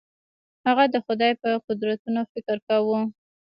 هغه د خدای په قدرتونو فکر کاوه.